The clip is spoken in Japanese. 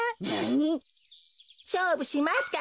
しょうぶしますか？